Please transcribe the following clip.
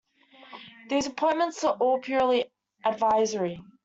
These appointments are all purely advisory.